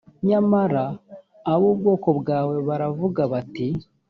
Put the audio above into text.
nyamara ab’ubwoko bwawe baravuga bati